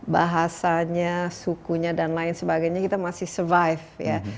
bahasanya sukunya dan lain sebagainya kita masih survive ya